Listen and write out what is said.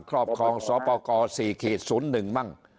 ก็ครอบครองศาลปกร๔๐๑มั่ง